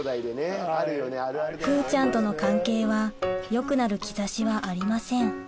風ちゃんとの関係は良くなる兆しはありません